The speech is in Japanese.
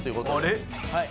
あれ？